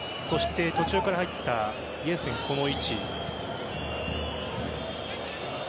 途中から入ったイェンセンこの位置。